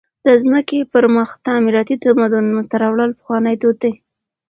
د مځکي پر مخ تعمیراتي تمدن منځ ته راوړل پخوانى دود دئ.